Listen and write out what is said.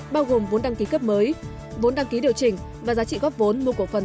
bao gồm vốn đăng ký cấp mới vốn đăng ký điều chỉnh và giá trị góp vốn mua cổ phần